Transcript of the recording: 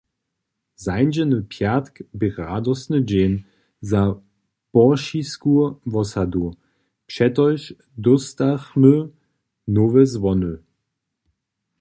Zańdźeny pjatk bě radostny dźeń za Poršisku wosadu, přetož dóstachmy nowe zwony.